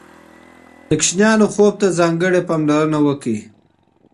د ماشومانو خوب ته ځانګړې پاملرنه وکړئ.